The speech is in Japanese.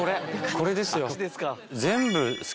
これですよ。